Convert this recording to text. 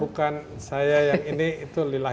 kalau itu bukan saya yang ini itu lillahi ta'ala